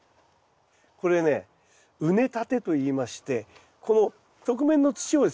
これね畝立てといいましてこの側面の土をですね